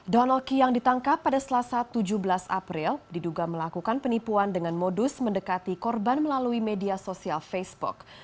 donald key yang ditangkap pada selasa tujuh belas april diduga melakukan penipuan dengan modus mendekati korban melalui media sosial facebook